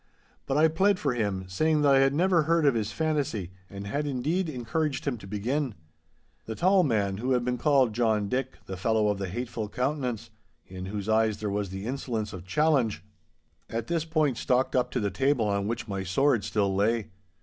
But I pled for him, saying that I had never heard of his fantasy, and had indeed encouraged him to begin. The tall man who had been called John Dick, the fellow of the hateful countenance, in whose eyes there was the insolence of challenge, at this point stalked up to the table on which my sword still lay.